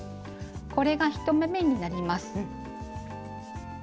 これが１目めになります。